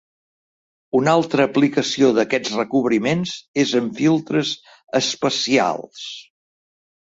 Una altra aplicació d'aquests recobriments és en filtres espacials.